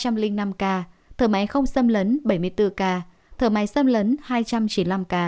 hfnc hai ba trăm linh năm ca thở máy không xâm lấn bảy mươi bốn ca thở máy xâm lấn hai trăm chín mươi năm ca ecmo năm ca